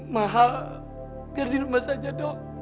mahal biar di rumah saja dok